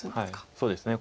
そうですね